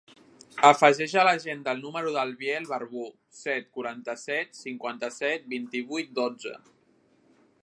Afegeix a l'agenda el número del Biel Barbu: set, quaranta-set, cinquanta-sis, vint-i-vuit, dotze.